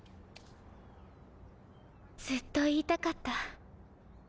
ずっと言いたかった。